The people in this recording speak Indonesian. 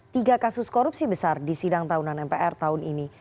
tiga kasus korupsi besar di sidang tahunan mpr tahun ini